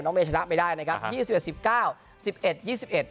เมย์ชนะไม่ได้นะครับยี่สิบเอ็ดสิบเก้าสิบเอ็ดยี่สิบเอ็ด